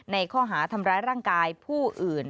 ในข้อหาทำร้ายร่างกายผู้อื่น